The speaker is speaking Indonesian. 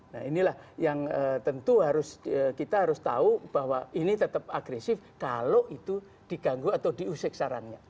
nah inilah yang tentu kita harus tahu bahwa ini tetap agresif kalau itu diganggu atau diusik sarannya